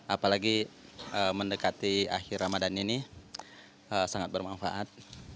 apalagi mendekati akhir ramadan ini sangat bermanfaat